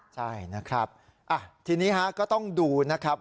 ใช่นะครับทีนี้ก็ต้องดูนะครับ